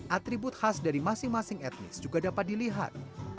atribut khas dari masing masing etnis juga dapat dilihat